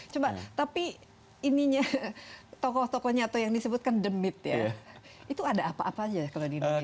coba tapi ininya tokoh tokohnya atau yang disebutkan the mith ya itu ada apa apa aja kalau di indonesia